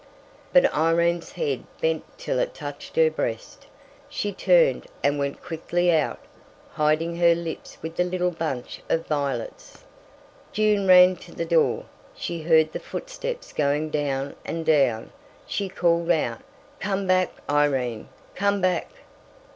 But Irene's head bent till it touched her breast. She turned, and went quickly out, hiding her lips with the little bunch of violets. June ran to the door. She heard the footsteps going down and down. She called out: "Come back, Irene! Come back!"